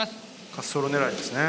滑走路狙いですね。